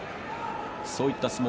そういった相撲